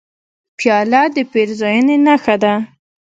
پیاله د پیرزوینې نښه ده.